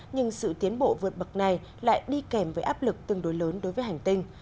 nhưng sự tiến bộ vượt bậc này lại đi kèm với áp lực tương đối lớn đối với hành tinh